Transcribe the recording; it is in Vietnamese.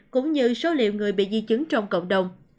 cũng như số liệu người bị di chứng trong cộng đồng